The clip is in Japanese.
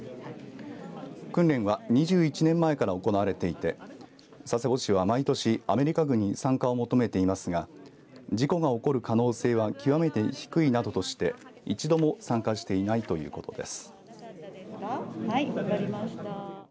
訓練は２１年前から行われていて佐世保市は毎年アメリカ軍に参加を求めていますが事故が起こる可能性は極めて低いなどとして一度も参加していないということです。